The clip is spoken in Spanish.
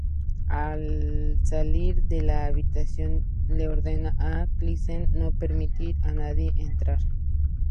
Al salir de la habitación, le ordena a Krycek no permitir a nadie entrar.